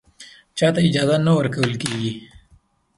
چا ته اجازه نه ورکول کېږي